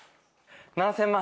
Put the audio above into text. ７０００万